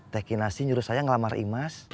teh kinasi nyuruh saya ngelamar imas